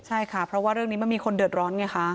ใช่ค่ะเพราะว่าเรื่องนี้มันมีคนเดือดร้อนไงคะ